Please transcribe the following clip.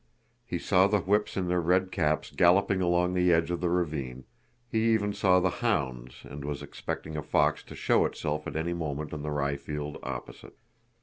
He saw the whips in their red caps galloping along the edge of the ravine, he even saw the hounds, and was expecting a fox to show itself at any moment on the ryefield opposite.